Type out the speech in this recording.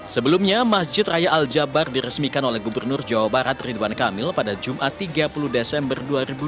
sebelumnya masjid raya al jabar diresmikan oleh gubernur jawa barat ridwan kamil pada jumat tiga puluh desember dua ribu dua puluh